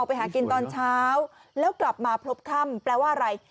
ไปหากินตอนเช้าแล้วกลับมาพบค่ำแปลว่าอะไร